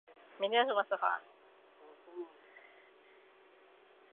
孔达有子得闾叔榖仍为大夫。